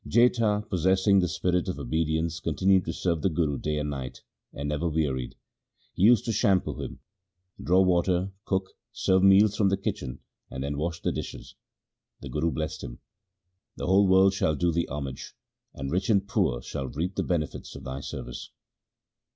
Jetha possessing the spirit of obedience con tinued to serve the Guru day and night, and never wearied. He used to shampoo him, draw water, cook, serve meals from the kitchen and then wash the dishes. The Guru blessed him :' The whole world shall do thee homage, and rich and poor shall reap the benefits of thy service.'